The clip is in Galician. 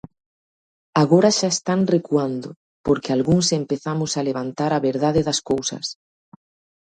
Agora xa están recuando, porque algúns empezamos a levantar a verdade das cousas.